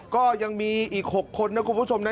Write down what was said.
ก็ยังมีอีก๖คนนะคุณผู้ชมนะ